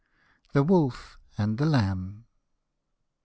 THE WOLF AND THE LAMB.